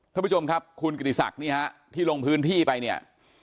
ท่านผู้ชมครับคุณกิติศักดิ์นี่ฮะที่ลงพื้นที่ไปเนี่ย